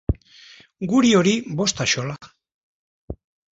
Guri hori bost axola.